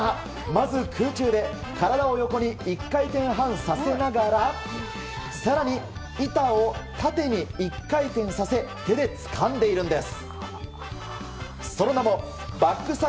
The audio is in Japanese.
まず空中で体を横に１回転半させながら更に、板を縦に１回転させ手でつかんでいるんです。